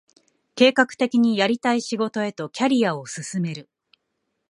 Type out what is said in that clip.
計画的にやりたい仕事へとキャリアを進める